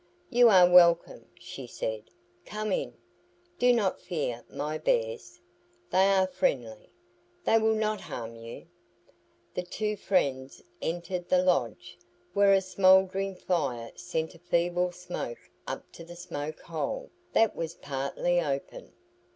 "You are welcome," she said; "come in. Do not fear my bears. They are friendly. They will not harm you." The two friends entered the lodge, where a smouldering fire sent a feeble smoke up to the smoke hole, that was partly open.